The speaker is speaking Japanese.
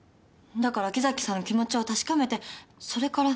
だから木崎さんの気持ちを確かめてそれから。